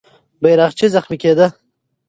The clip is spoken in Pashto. بیرغچی زخمي کېده.